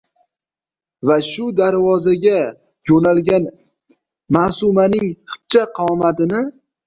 va shu darvozaga yoʼnalgan Maʼsumaning xipcha qomatini